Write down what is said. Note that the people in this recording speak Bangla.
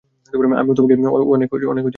আমিও তোমাকে অনেক মিস করেছি।